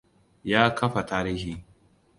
Ya kafa tarihi.